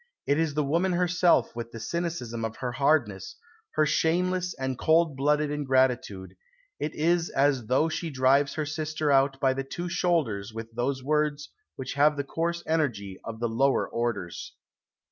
It is the woman herself with the cynicism of her hardness, her shameless and cold blooded ingratitude.... It is as though she drives her sister out by the two shoulders with those words which have the coarse energy of the lower orders."